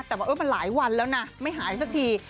แต่ว่ามันหลายวันแล้วนะไม่หายสักที